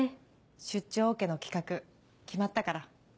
出張オケの企画決まったから。